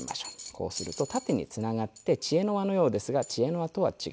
こうすると縦につながって知恵の輪のようですが知恵の輪とは違います。